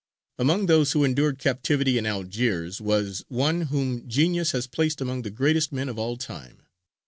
Among those who endured captivity in Algiers was one whom genius has placed among the greatest men of all time.